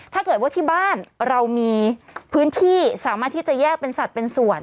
ถ้าเกิดว่าที่บ้านเรามีพื้นที่สามารถที่จะแยกเป็นสัตว์เป็นส่วน